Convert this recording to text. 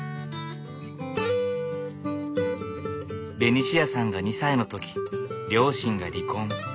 ベニシアさんが２歳の時両親が離婚。